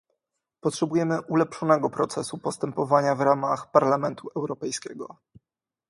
Potrzebujemy ulepszonego procesu postępowania w ramach Parlamentu Europejskiego